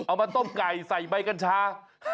เอามาต้มไก่ใส่ใบกัญชา